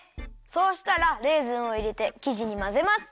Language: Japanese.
そうしたらレーズンをいれてきじにまぜます。